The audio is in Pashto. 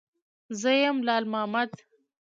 _زه يم، لال مامد.